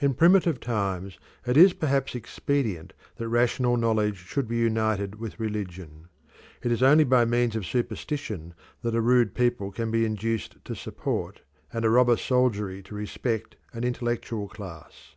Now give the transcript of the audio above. In primitive times it is perhaps expedient that rational knowledge should be united with religion. It is only by means of superstition that a rude people can be induced to support, and a robber soldiery to respect, an intellectual class.